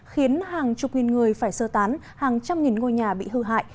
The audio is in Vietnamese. khiến hàng chục nghìn người phải sơ tán hàng trăm nghìn ngôi nhà bị hư hại